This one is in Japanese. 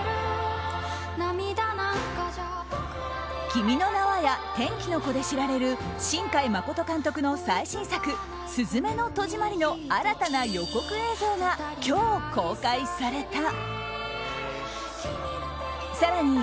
「君の名は。」や「天気の子」で知られる新海誠監督の最新作「すずめの戸締まり」の新たな予告映像が今日公開された。